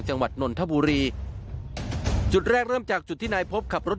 นนทบุรีจุดแรกเริ่มจากจุดที่นายพบขับรถ